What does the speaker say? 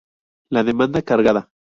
La demanda cargada:.